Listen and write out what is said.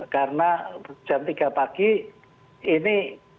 karena jam tiga pagi ini